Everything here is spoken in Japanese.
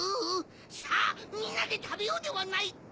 さぁみんなでたべようではないか！